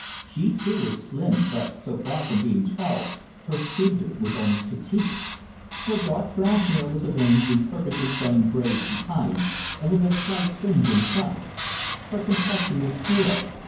She, too, was slim, but so far from being tall, her figure was almost petite. Her dark brown hair was arranged in perfectly plain braids behind and with a slight fringe in front. Her complexion was pale.